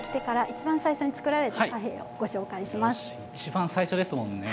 一番最初ですもんね。